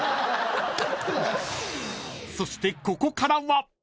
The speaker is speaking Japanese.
［そしてここからは］